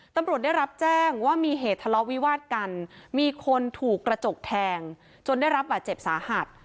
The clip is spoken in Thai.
ตำรวจได้รับแจ้งว่ามีเหตุทะเลาะวิวาดกันมีคนถูกกระจกแทงจนได้รับบาดเจ็บสาหัส